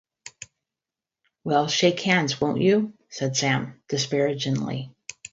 ‘Well, shake hands, won’t you?’ said Sam, disparagingly.